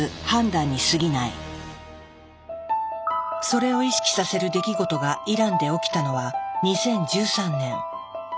それを意識させる出来事がイランで起きたのは２０１３年。